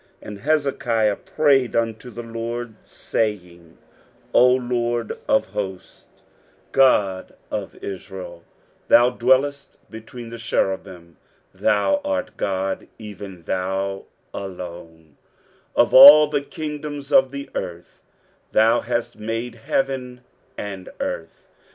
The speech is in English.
23:037:015 And Hezekiah prayed unto the LORD, saying, 23:037:016 O LORD of hosts, God of Israel, that dwellest between the cherubims, thou art the God, even thou alone, of all the kingdoms of the earth: thou hast made heaven and earth.